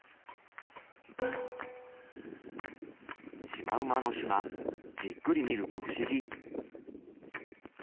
シマウマのしまじっくり見るとフシギ。